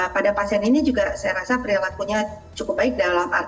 pada pasien ini juga saya rasa perilakunya cukup baik dalam arti